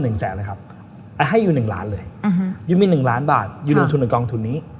ให้อยู่๑ล้านเลยอยู่มี๑ล้านบาทอยู่ในกองทุนนี้